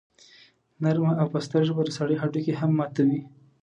نرمه او پسته ژبه د سړي هډوکي هم ماتوي.